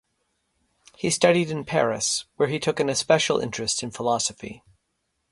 He studied in Paris, where he took an especial interest in philosophy.